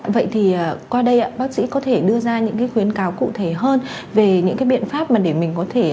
vậy thì qua đây bác sĩ có thể đưa ra những khuyến cáo cụ thể hơn về những biện pháp để mình có thể